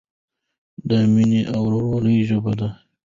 د مینې او ورورولۍ ژبه ده.